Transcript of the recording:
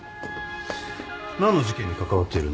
何の事件に関わっているんだ？